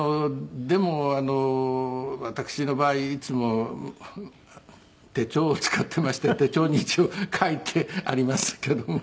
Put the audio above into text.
でも私の場合いつも手帳を使っていまして手帳に一応書いてありますけども。